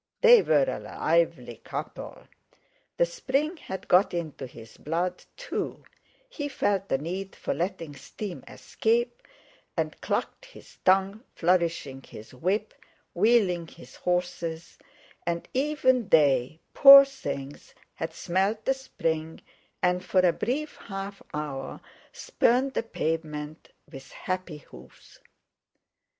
They were a lively couple! The spring had got into his blood, too; he felt the need for letting steam escape, and clucked his tongue, flourishing his whip, wheeling his horses, and even they, poor things, had smelled the spring, and for a brief half hour spurned the pavement with happy hoofs.